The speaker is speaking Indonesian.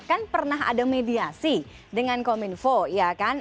kan pernah ada mediasi dengan kominfo ya kan